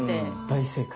大正解。